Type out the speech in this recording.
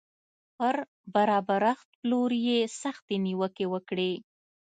پر برابرښت پلور یې سختې نیوکې وکړې